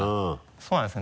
そうなんですね